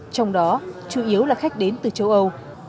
trong đó chủ yếu là khách đến từ châu âu